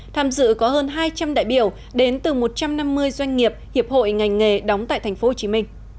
tham dự có hơn hai trăm linh đại biểu đến từ một trăm năm mươi doanh nghiệp hiệp hội ngành nghề đóng tại tp hcm